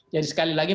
jadi sekali lagi